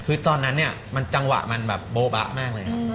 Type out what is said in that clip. คือตอนนั้นเนี่ยจังหวะมันโบ๊ะมากเลย